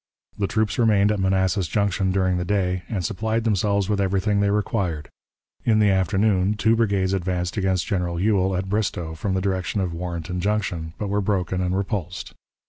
The troops remained at Manassas Junction during the day, and supplied themselves with everything they required. In the afternoon, two brigades advanced against General Ewell, at Bristoe, from the direction of Warrenton Junction, but were broken and repulsed.